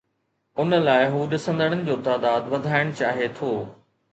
ان لاءِ هو ڏسندڙن جو تعداد وڌائڻ چاهي ٿو.